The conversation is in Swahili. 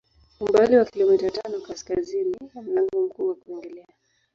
Umbali wa kilomita tano kaskazini ya mlango mkuu wa kuingilia